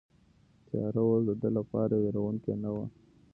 تیاره اوس د ده لپاره وېروونکې نه وه.